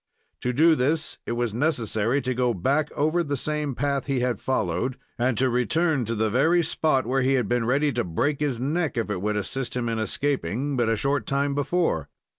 To do this it was necessary to go back over the same path he had followed, and to return to the very spot where he had been ready to break his neck, if it would assist him in escaping, but a short time before.